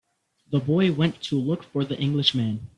The boy went to look for the Englishman.